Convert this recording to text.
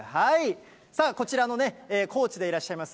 さあ、こちらのね、コーチでいらっしゃいます